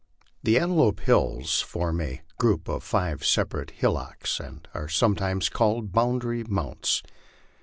The Antelope Hills form a group of five separate hillocks, and are sometimes called Boundary Mounts.